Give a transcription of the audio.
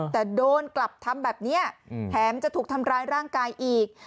แต่โดนกลับทำแบบนี้แถมจะถูกทำร้ายร่างกายอีก